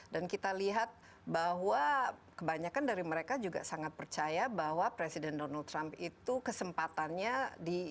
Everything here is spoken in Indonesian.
kita lihat bahwa kebanyakan dari mereka juga sangat percaya bahwa presiden donald trump itu kesempatannya di